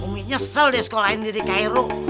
umi nyesel deh sekolah ini di cairo